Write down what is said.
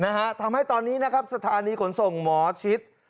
นะฮะทำให้ตอนนี้นะครับสถานีขนส่งหมอชิด